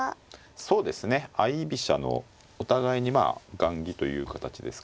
そうですね相居飛車のお互いにまあ雁木という形ですかね。